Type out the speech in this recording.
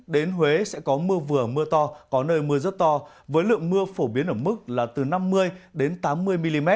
đến huế sẽ có mưa vừa mưa to có nơi mưa rất to với lượng mưa phổ biến ở mức là từ năm mươi tám mươi mm